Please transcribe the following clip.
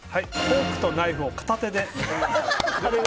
フォークとナイフを片手で。